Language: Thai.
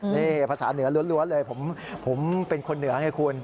นี่ภาษาเหนือล้วนเลยผมเป็นคนเหนือไงคุณ